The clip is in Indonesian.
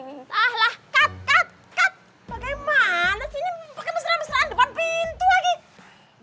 entahlah cut cut cut bagaimana sih ini bahkan mesra mesraan depan pintu lagi